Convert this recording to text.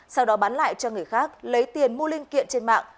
sau đó bán lại cho người khác lấy tiền mua linh kiện trên mạng